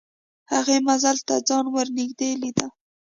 هغې منزل ته ځان ور نږدې لیده